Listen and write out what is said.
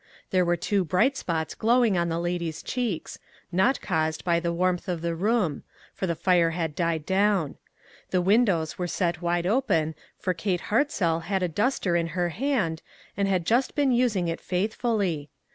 There were two bright spots glowing on the lady's cheeks, not caused by the warmth of the room, for the fire had died down ; the windows were set wide open, for Kate Hartzell had a duster in her hand, and had just been using it faithfully.